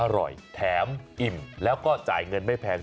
อร่อยแถมอิ่มแล้วก็จ่ายเงินไม่แพง